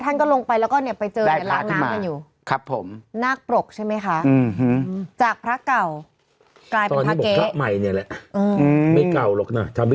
ท่านก็ลงไปไปเจอเนี่ยลากน้ำกันอยู่